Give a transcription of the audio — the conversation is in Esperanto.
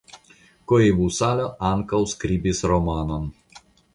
Koivusalo ankaŭ skribis romanon.